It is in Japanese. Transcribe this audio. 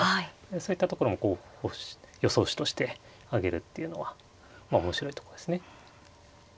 そういったところも候補手予想手として挙げるっていうのはまあ面白いとこですね。